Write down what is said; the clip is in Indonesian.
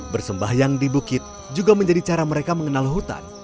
bersembahyang di bukit juga menjadi cara mereka mengenal hutan